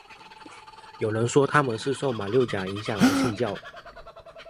有人说他们是受马六甲影响而信教。